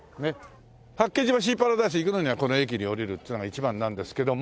八景島シーパラダイス行くのにはこの駅で降りるっていうのが一番なんですけども。